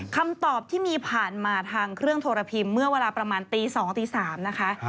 คำตอบที่มีผ่านมาทางเครื่องโทรพิมพ์เมื่อเวลาประมาณตี๒ตี๓นะคะ